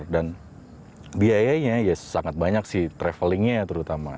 dan biayanya ya sangat banyak sih travelingnya terutama